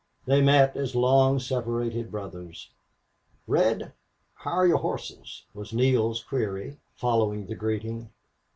They met as long separated brothers. "Red how're your horses?" was Neale's query, following the greeting.